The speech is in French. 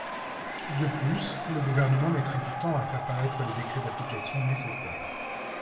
De plus, le Gouvernement mettra du temps à faire paraître les décrets d’application nécessaires.